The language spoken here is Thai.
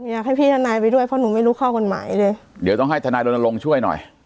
อยากให้พี่ทนายไปด้วยเพราะหนูไม่รู้ข้อกฎหมายเลยเดี๋ยวต้องให้ทนายรณรงค์ช่วยหน่อย